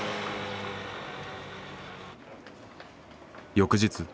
翌日。